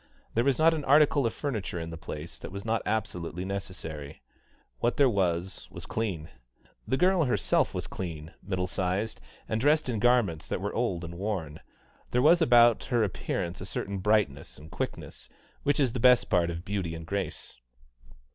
There was not an article of furniture in the place that was not absolutely necessary; what there was was clean. The girl herself was clean, middle sized, and dressed in garments that were old and worn; there was about her appearance a certain brightness and quickness, which is the best part of beauty and grace.